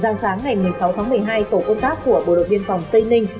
giáng sáng ngày một mươi sáu một mươi hai tổ công tác của bộ đội viên phòng tây ninh